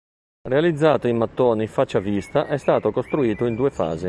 Realizzato in mattoni faccia a vista è stato costruito in due fasi.